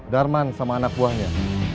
darman sama anak buahnya